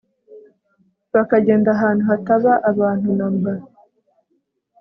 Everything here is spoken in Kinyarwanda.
bakagenda ahantu hatabaabantu na mba,